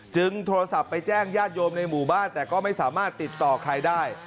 โทรศัพท์ไปแจ้งญาติโยมในหมู่บ้านแต่ก็ไม่สามารถติดต่อใครได้